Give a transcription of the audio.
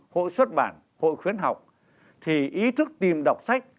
hội xuất bản hội khuyến học thì ý thức tìm đọc sách